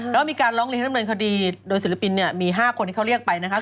แล้วมีการร้องเรียนดำเนินคดีโดยศิลปินเนี่ยมี๕คนที่เขาเรียกไปนะครับ